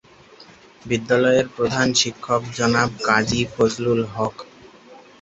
বিদ্যালয়ের প্রধান শিক্ষক জনাব কাজী ফজলুল হক।